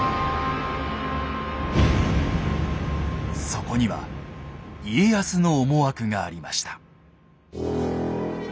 そこには家康の思惑がありました。